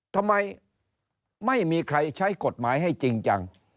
ทำไมไม่มีใครใช้กฎหมายให้จริงจัง